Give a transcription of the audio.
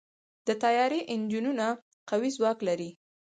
د طیارې انجنونه قوي ځواک لري.